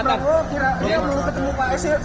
bang bang lu kira dia perlu ketemu pak sl